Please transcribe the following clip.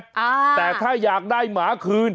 อ่าแต่ถ้าอยากได้หมาคืน